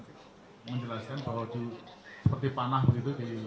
tapi teman teman menjelaskan bahwa seperti panah begitu di